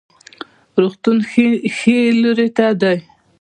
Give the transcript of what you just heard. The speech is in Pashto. روغتون ښي لوري ته دی